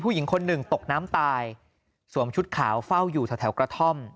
ผู้หญิงคนหนึ่งตกน้ำตายสวมชุดขาวเฝ้าอยู่แถวกระท่อม